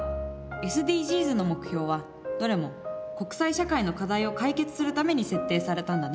ＳＤＧｓの目標はどれも国際社会の課題を解決するために設定されたんだね。